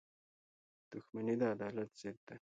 • دښمني د عدالت ضد ده.